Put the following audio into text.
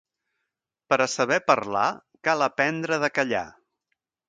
Per a saber parlar cal aprendre de callar.